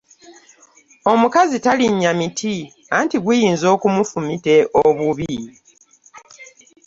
Omukazi talinnya miti anti guyinza okumufumita obubi.